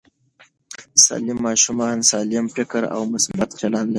سالم ماشومان سالم فکر او مثبت چلند لري.